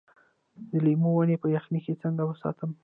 د لیمو ونې په یخنۍ کې څنګه وساتم؟